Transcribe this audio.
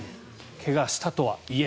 怪我したとはいえ。